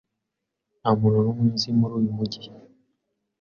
Nta muntu n'umwe nzi muri uyu mujyi.